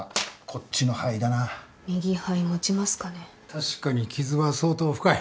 確かに傷は相当深い。